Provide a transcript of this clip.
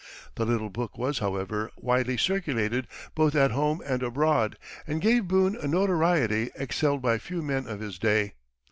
The little book was, however, widely circulated both at home and abroad, and gave Boone a notoriety excelled by few men of his day.